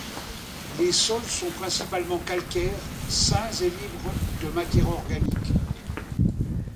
Les sols sont principalement calcaires, sains et libres de matière organique.